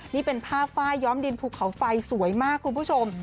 นี่เป็นภาพฝ้ายย้อมดินภูเขาไฟสวยมากคุณผู้ชม